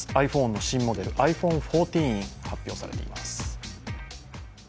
ｉＰｈｏｎｅの新モデルｉＰｈｏｎｅ１４が発表されています。